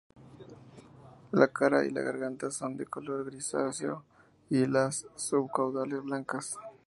La cara y la garganta son de color grisáceo y las subcaudales blancas.